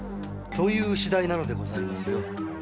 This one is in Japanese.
という次第なのでございますよ親分。